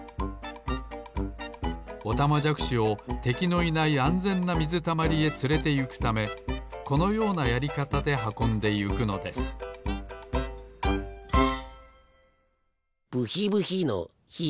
オタマジャクシをてきのいないあんぜんなみずたまりへつれてゆくためこのようなやりかたではこんでゆくのですブヒブヒのヒ。